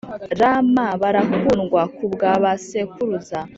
Rm barakundwa ku bwa ba sekuruza